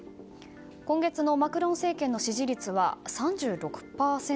今月のマクロン政権の支持率は３６％。